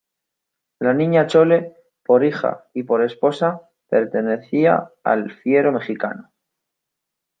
la Niña Chole por hija y por esposa, pertenecía al fiero mexicano ,